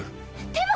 でも！